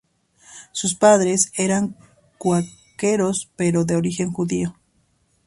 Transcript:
Sus padres eran cuáqueros, pero de origen judío.